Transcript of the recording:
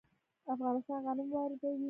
افغانستان غنم واردوي.